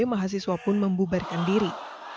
mahasiswa pun membubarkan diri